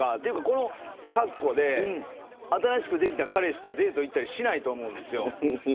この格好で新しくできた彼氏とデート行ったりしないと思うんですよ。